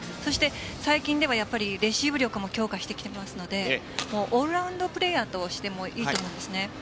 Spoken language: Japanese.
最近ではレシーブ力も強化してきていますのでオールラウンドプレーヤーとしてもいいと思うんです。